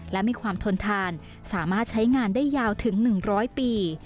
และมีความทนทานสามารถใช้งานได้ยาวถึง๑๐๐ปี